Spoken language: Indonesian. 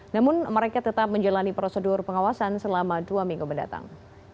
namun mereka tetap menjalani prosedur pengawasan selama dua minggu mendatang